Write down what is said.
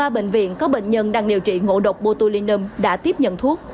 ba bệnh viện có bệnh nhân đang điều trị ngộ độc botulinum đã tiếp nhận thuốc